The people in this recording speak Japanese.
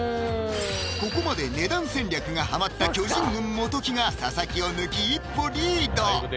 ここまで値段戦略がハマった巨人軍・元木が佐々木を抜き一歩リード